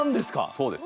そうです。